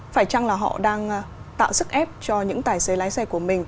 phải chăng là họ đang tạo sức ép cho những tài xế lái xe của mình